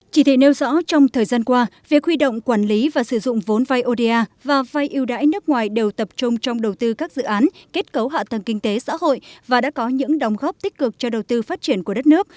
chỉ thị nêu rõ trong thời gian qua việc huy động quản lý và sử dụng vốn vai oda và vay ưu đãi nước ngoài đều tập trung trong đầu tư các dự án kết cấu hạ tầng kinh tế xã hội và đã có những đồng góp tích cực cho đầu tư phát triển của đất nước